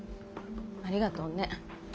ありがとうね。